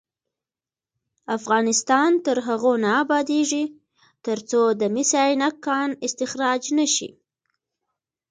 افغانستان تر هغو نه ابادیږي، ترڅو د مس عینک کان استخراج نشي.